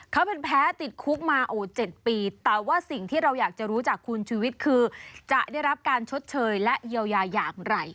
เขาเป็นแพ้ติดคุกมาโอ้๗ปีแต่ว่าสิ่งที่เราอยากจะรู้จากคุณชุวิตคือจะได้รับการชดเชยและเยียวยาอย่างไร